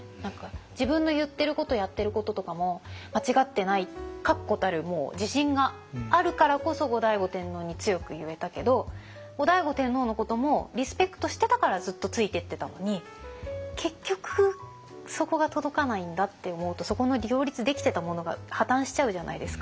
自分の言ってることやってることとかも間違ってない確固たる自信があるからこそ後醍醐天皇に強く言えたけど後醍醐天皇のこともリスペクトしてたからずっとついてってたのに結局そこが届かないんだって思うとそこの両立できてたものが破綻しちゃうじゃないですか。